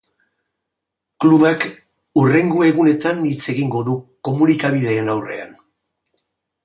Klubak hurrengo egunetan hitz egingo du komunikabideen aurrean.